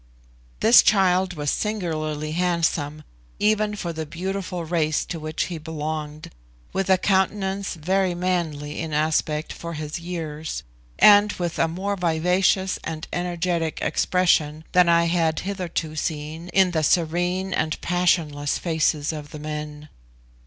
This child was singularly handsome, even for the beautiful race to which he belonged, with a countenance very manly in aspect for his years, and with a more vivacious and energetic expression than I had hitherto seen in the serene and passionless faces of the men.